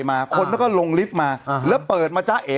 มันกัดไหมเธอ